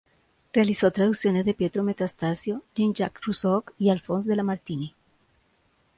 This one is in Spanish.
Realizó traducciones de Pietro Metastasio, Jean-Jacques Rousseau y Alphonse de Lamartine.